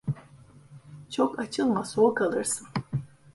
Çok açılma, soğuk alırsın.